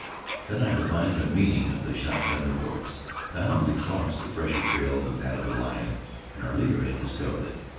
Then I divined the meaning of the shotgun reports. The hounds had crossed a fresher trail than that of the lion, and our leader had discovered it.